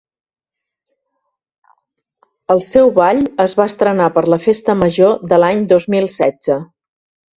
El seu ball es va estrenar per la Festa Major de l'any dos mil setze.